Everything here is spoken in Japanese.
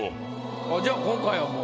じゃあ今回はもう。